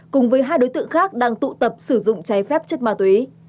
cùng với hai đối tượng khác đang tụ tập sử dụng trái phép chất mà tuý